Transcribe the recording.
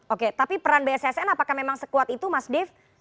oke tapi peran bssn apakah memang sekuat itu mas dave